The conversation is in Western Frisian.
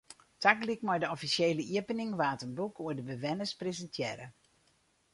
Tagelyk mei de offisjele iepening waard in boek oer de bewenners presintearre.